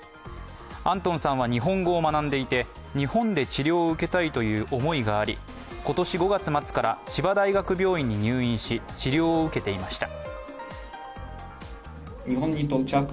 アントンさんは日本語を学んでいて、日本で治療を受けたいという思いがあり今年５月末から千葉大学病院に入院し、治療を受けていました。